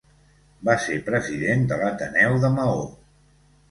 Va ser president de l'Ateneu de Maó.